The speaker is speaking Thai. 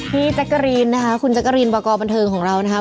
พี่แจ๊กกะรีนนะคะคุณแจ๊กกะรีนประกอบบันเทิงของเรานะคะ